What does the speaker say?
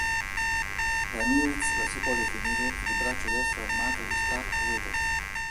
Ramirez lo si può definire il braccio destro armato di Starkweather.